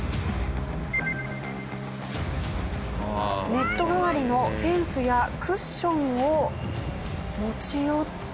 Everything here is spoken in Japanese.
ネット代わりのフェンスやクッションを持ち寄って。